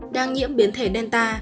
đang nhiễm biến thể delta